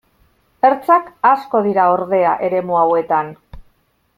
Ertzak asko dira, ordea, eremu hauetan.